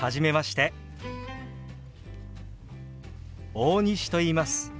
大西といいます。